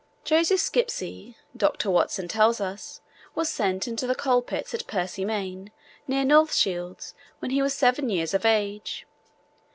Joseph Skipsey, Dr. Watson tells us, was sent into the coal pits at Percy Main, near North Shields, when he was seven years of age.